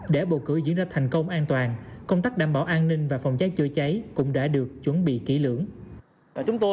để bầu cử diễn ra thành công an toàn công tác đảm bảo an ninh và phòng cháy chữa cháy cũng đã được chuẩn bị kỹ lưỡng